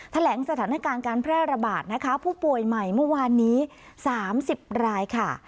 แถลงสถานการณ์การแพร่ระบาดนะคะผู้ป่วยใหม่เมื่อวานนี้๓๐รายค่ะ